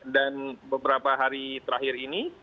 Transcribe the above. dan beberapa hari terakhir ini